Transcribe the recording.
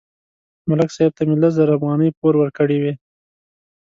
ملک صاحب ته مې لس زره افغانۍ پور ورکړې وې